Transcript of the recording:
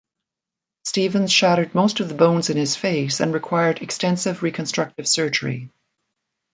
Stevens shattered most of the bones in his face and required extensive reconstructive surgery.